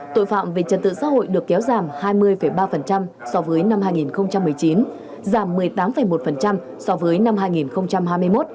tội phạm về trật tự xã hội được kéo giảm hai mươi ba so với năm hai nghìn một mươi chín giảm một mươi tám một so với năm hai nghìn hai mươi một